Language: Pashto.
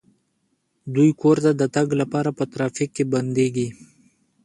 دوی کور ته د تګ لپاره په ترافیک کې بندیږي